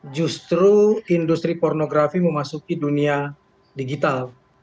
justru industri pornografi memasuki dunia digital